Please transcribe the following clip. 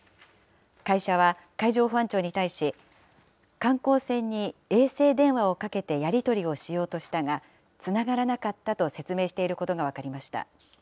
会社は海上保安庁に対し、観光船に衛星電話をかけてやり取りをしようとしたが、つながらなかったと説明していることが分かりました。